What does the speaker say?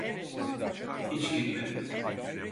Hiç gitmedim.